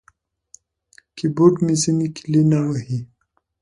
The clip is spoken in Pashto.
کیبورډ مې ځینې کیلي نه وهي.